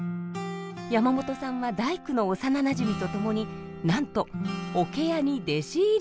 山本さんは大工の幼なじみと共になんと桶屋に弟子入り。